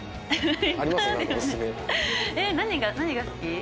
何が何が好き？